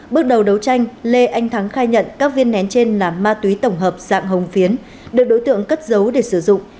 bước đầu đấu tranh lê anh thắng khai nhận các viên nén trên là ma túy tổng hợp dạng hồng phiến được đối tượng cất giấu để sử dụng